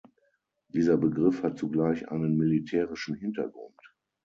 Dieser Begriff hat zugleich einen militärischen Hintergrund.